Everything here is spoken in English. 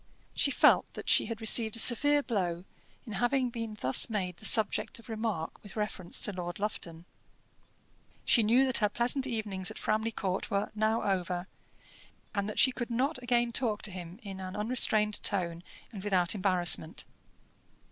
She felt that she had received a severe blow in having been thus made the subject of remark with reference to Lord Lufton. She knew that her pleasant evenings at Framley Court were now over, and that she could not again talk to him in an unrestrained tone and without embarrassment.